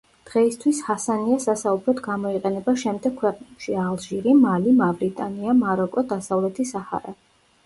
დღეისთვის ჰასანია სასაუბროდ გამოიყენება შემდეგ ქვეყნებში: ალჟირი, მალი, მავრიტანია, მაროკო, დასავლეთი საჰარა.